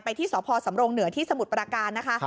ที่สพสำรงเหนือที่สมุทรปราการนะคะ